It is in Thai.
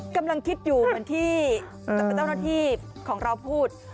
กำลังคิดอยู่เหมือนที่เจ้าหน้าที่ของเราพูด